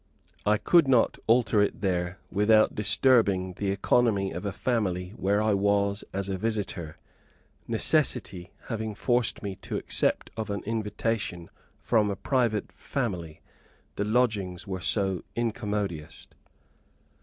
I could not alter it there without disturbing the economy of a family where I was as a visitor, necessity having forced me to accept of an invitation from a private family, the lodgings were so incommodious.